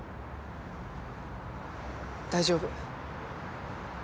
大丈夫。